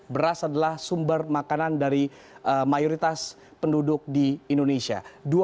beras adalah sumber makanan dari mayoritas penduduk di indonesia